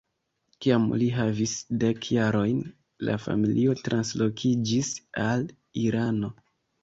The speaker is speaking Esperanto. Kiam li havis dek jarojn la familio translokiĝis al Irano.